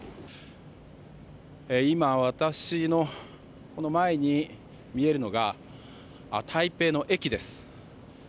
今、私のこの前に見えるのが台北の駅です。